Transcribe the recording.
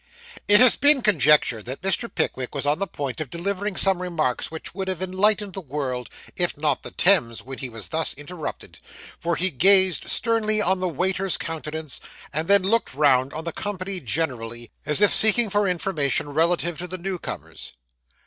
It has been conjectured that Mr. Pickwick was on the point of delivering some remarks which would have enlightened the world, if not the Thames, when he was thus interrupted; for he gazed sternly on the waiter's countenance, and then looked round on the company generally, as if seeking for information relative to the new comers.